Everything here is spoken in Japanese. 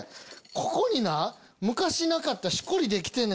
ここにな昔なかったしこりできてんねん。